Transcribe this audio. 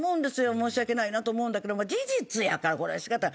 申し訳ないなと思うんだけど事実やからこれ仕方ない。